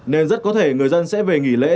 nên rất có thể người dân sẽ về nghỉ lễ